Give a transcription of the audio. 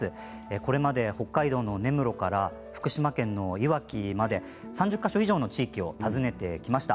これまで北海道の根室から福島県のいわきまで３０か所以上の地域を訪ねてきました。